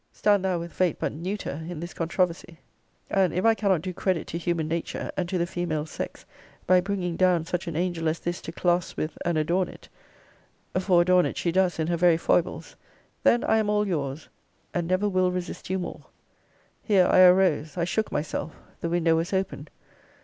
Stand thou, with fate, but neuter in this controversy; and, if I cannot do credit to human nature, and to the female sex, by bringing down such an angel as this to class with and adorn it, (for adorn it she does in her very foibles,) then I am all your's, and never will resist you more. Here I arose. I shook myself. The window was open.